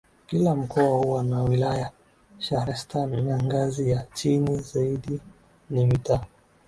Kila mkoa huwa na wilaya shahrestan na ngazi ya chini zaidi ni mitaa